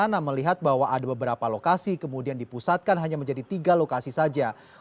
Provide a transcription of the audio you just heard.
karena kita melihat bahwa ada beberapa lokasi kemudian dipusatkan hanya menjadi tiga lokasi saja